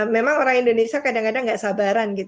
memang orang indonesia kadang kadang gak sabaran